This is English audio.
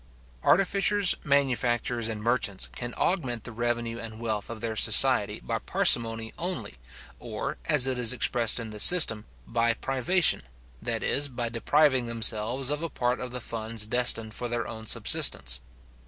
Artificers, manufacturers, and merchants, can augment the revenue and wealth of their society by parsimony only; or, as it is expressed in this system, by privation, that is, by depriving themselves of a part of the funds destined for their own subsistence.